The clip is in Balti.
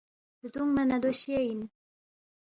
ردُونگما نہ دو شیے اِن